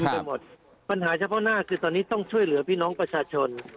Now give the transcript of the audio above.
ไปหมดปัญหาเฉพาะหน้าคือตอนนี้ต้องช่วยเหลือพี่น้องประชาชน